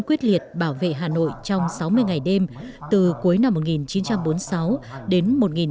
quyết liệt bảo vệ hà nội trong sáu mươi ngày đêm từ cuối năm một nghìn chín trăm bốn mươi sáu đến một nghìn chín trăm bốn mươi năm